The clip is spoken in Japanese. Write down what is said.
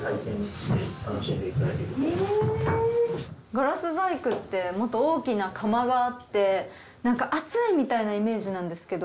ガラス細工ってもっと大きな窯があってなんか熱いみたいなイメージなんですけど。